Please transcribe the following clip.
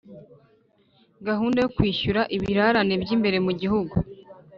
gahunda yo kwishyura ibirarane by'imbere mu gihugu,